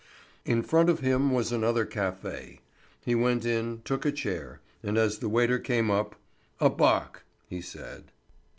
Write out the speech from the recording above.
In front of him was another café. He went in, took a chair, and as the waiter came up, "A bock," he said.